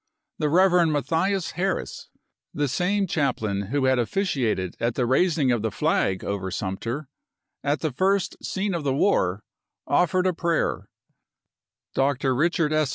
The Rev. Matthias Harris, the same chap lain who had officiated at the raising of the flag over Sumter, at the first scene of the war, offered a prayer ; Dr. Richard S.